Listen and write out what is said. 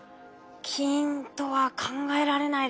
金とは考えられないですね。